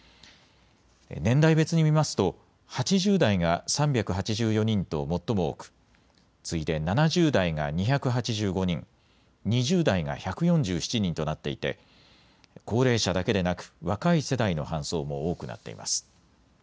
年代別に見ますと８０代が３８４人と最も多く次いで７０代が２８５人、２０代が１４７人となっていて高齢者だけでなく若い世代の搬送も多くなっています。